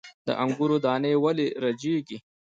د انګورو دانې ولې رژیږي؟